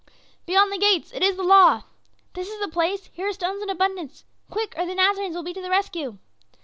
"Beyond the gates it is the law!" "This is the place here are stones in abundance! Quick! or the Nazarenes will be to the rescue."